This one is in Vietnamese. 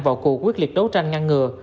vào cuộc quyết liệt đấu tranh ngăn ngừa